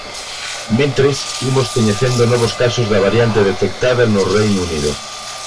Mentres, imos coñecendo novos casos da variante detectada no Reino Unido.